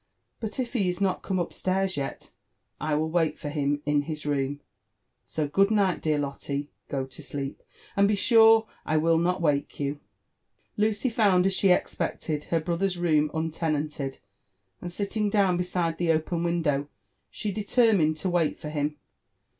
*' Bui if he is not come up stairs yet, I will wait for him in his room. So good night, dear Lotte I^go to sleep^ %nd be sure I will not wake you." Lucy found, as she expected, her brother's room untenanted; and sitting down beside the open window, she determined to wait for him.